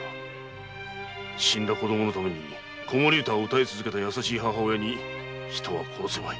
死んだ子供のために子守歌を歌い続けた優しい母親に人は殺せまい。